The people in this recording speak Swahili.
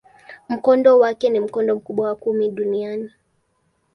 Mkondo wake ni mkondo mkubwa wa kumi duniani.